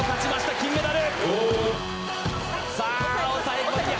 金メダル！